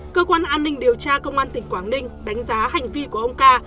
cơ quan an ninh điều tra công an tỉnh quảng ninh đánh giá hành vi của ông ca